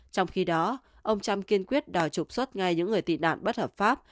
trong khi đó ông trump kiên quyết đào trục xuất ngay những người tị nạn bất hợp pháp